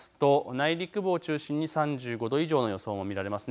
内陸部を中心に３５度以上の予想も見られます。